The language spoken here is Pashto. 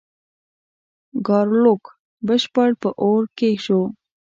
ګارلوک بشپړ په اور کې شو.